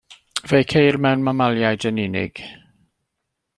Fe'i ceir mewn mamaliaid yn unig.